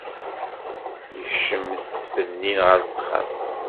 Yekcem s tfednin ɣer texxamt.